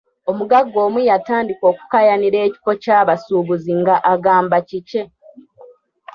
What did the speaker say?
Omugagga omu yatandika okukaayanira ekifo ky'abasuubuzi nga agamba kikye.